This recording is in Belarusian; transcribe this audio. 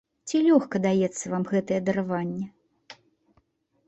Ці лёгка даецца вам гэтае дараванне?